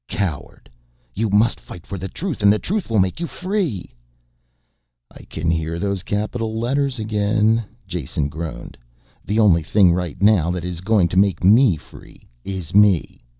"Coward! You must fight for the Truth and the Truth will make you free." "I can hear those capital letters again," Jason groaned. "The only thing right now that is going to make me free is me.